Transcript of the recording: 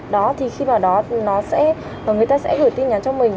đó thì khi mà nó sẽ người ta sẽ gửi tin nhắn cho mình